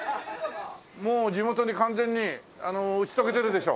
もう地元に完全に打ち解けてるでしょ？